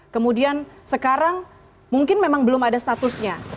kemudian sekarang mungkin memang belum ada statusnya